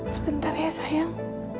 sebentar ya sayang